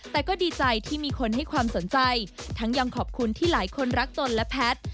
แต่ก็ดีใจที่มีคนให้ความสนใจทั้งยังขอบคุณที่หลายคนรักตนและแพทย์